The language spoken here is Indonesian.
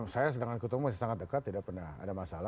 saya sedangkan ketua umum masih sangat dekat tidak pernah ada masalah